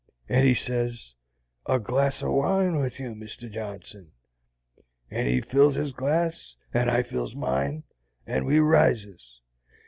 And he sez, 'A glass o' wine with you, Mr. Johnson'; and he fills his glass and I fills mine, and we rises.